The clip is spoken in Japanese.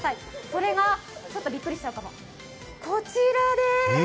それが、ちょっとびっくりしちゃうかも、こちらです。